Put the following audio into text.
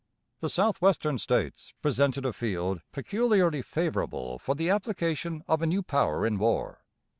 The Southwestern States presented a field peculiarly favorable for the application of a new power in war.